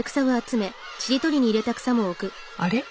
あれ？